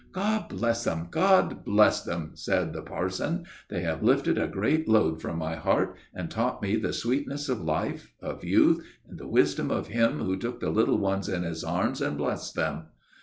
"God bless them! God bless them!" said the parson. "They have lifted a load from my heart, and taught me the sweetness of life, of youth, and the wisdom of Him who took the little ones in His arms, and blessed them.